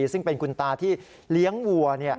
ซึ่งเป็นคุณตาที่เลี้ยงวัว